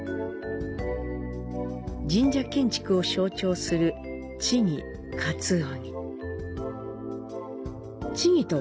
神社建築を象徴する「千木」、「鰹木」。